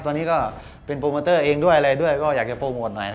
ตอนนี้ก็เป็นโปรโมเตอร์เองด้วยอะไรด้วยก็อยากจะโปรโมทหน่อย